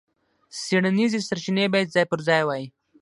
څېړنیزې سرچینې باید ځای پر ځای وای.